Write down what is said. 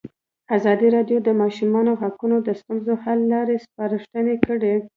ازادي راډیو د د ماشومانو حقونه د ستونزو حل لارې سپارښتنې کړي.